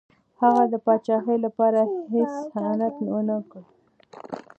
هغه د پاچاهۍ لپاره هېڅ خیانت ونه کړ.